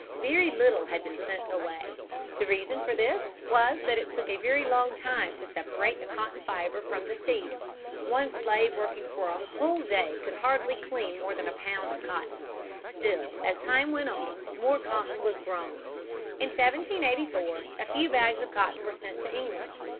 Very little had been sent away. The reason for this was that it took a very long time to separate the cotton fiber from the seed. One slave working for a whole day could hardly clean more than a pound of cotton. Still as time went on more cotton was grown. In 1784 a few bags of cotton were sent to England.